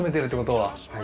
はい。